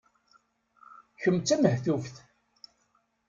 Kemm d tamehtuft.